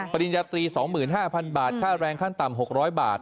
ปริญญาตรี๒๕๐๐บาทค่าแรงขั้นต่ำ๖๐๐บาท